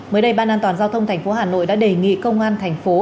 mới đây ban an toàn giao thông tp hà nội đã đề nghị công an thành phố